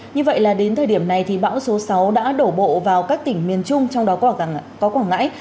như vậy là đến thời điểm này thì bão số sáu đã đổ bộ vào các tỉnh miền trung trong đó có quảng ngãi